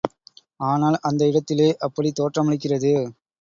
ஆனால் அந்த இடத்திலே அப்படித் தோற்றமளிக்கிறது.